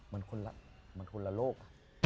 มันคุณละมันคุณละโลก